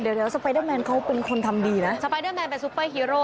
เดี๋ยวสไปเดอร์แมนเขาเป็นคนทำดีนะสไปเดอร์แมนเป็นซุปเปอร์ฮีโร่